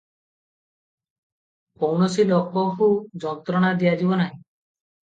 କୌଣସି ଲୋକକୁ ଯନ୍ତ୍ରଣା ଦିଆଯିବ ନାହିଁ ।